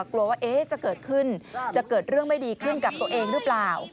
กลัวว่าจะเกิดขึ้นจะเกิดเรื่องไม่ดีขึ้นกับตัวเองหรือเปล่า